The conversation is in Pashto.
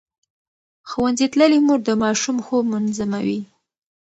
ښوونځې تللې مور د ماشوم خوب منظموي.